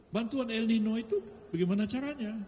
bantuan el nino itu bagaimana caranya